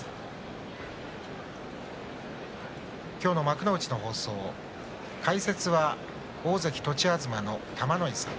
今日の幕内の放送解説は、大関栃東の玉ノ井さん